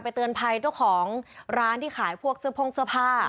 เตือนภัยเจ้าของร้านที่ขายพวกเสื้อโพ่งเสื้อผ้า